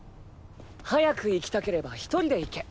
早く行きたければ一人で行け。